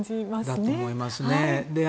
だと思いますね。